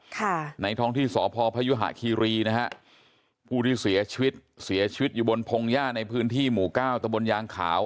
ค่ะในท้องที่สพพยุหะคีรีนะฮะผู้ที่เสียชีวิตเสียชีวิตอยู่บนพงหญ้าในพื้นที่หมู่เก้าตะบนยางขาว